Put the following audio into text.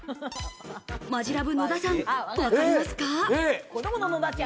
マヂラブ・野田さん、わかりますか？